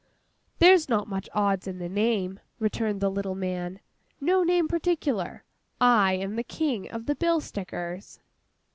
'There's not much odds in the name,' returned the little man, '—no name particular—I am the King of the Bill Stickers.